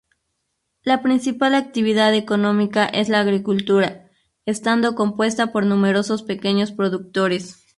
La principal actividad económica es la agricultura, estando compuesta por numerosos pequeños productores.